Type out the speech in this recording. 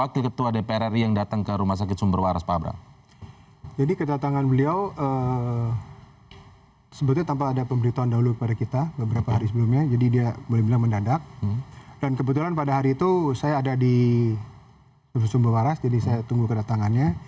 kebetulan pada hari itu saya ada di sumber waras jadi saya tunggu kedatangannya